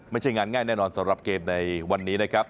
ไม่ใช่งานง่ายแน่นอนสำหรับเกมในวันนี้นะครับ